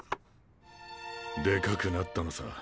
でかくなったのさ